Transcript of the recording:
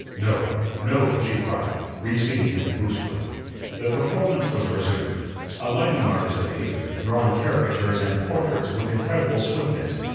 "No, no," she cried, reseating him brusquely. The performance was resumed. A lightning artist appeared, drawing caricatures and portraits with incredible swiftness.